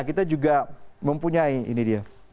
kita juga mempunyai ini dia